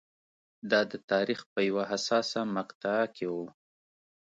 دا د تاریخ په یوه حساسه مقطعه کې و.